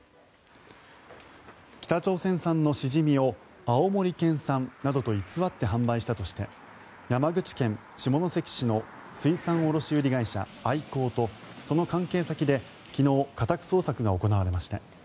北朝鮮産のシジミを青森県産などと偽って販売したとして山口県下関市の水産卸売り会社アイコーとその関係先で昨日、家宅捜索が行われました。